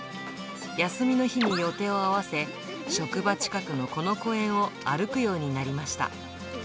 休みの日に予定を合わせ、職場近くのこの公園を歩くようになりました。